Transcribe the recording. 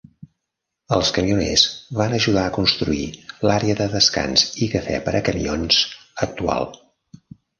Els camioners van ajudar a construir l'àrea de descans i cafè per a camions actual.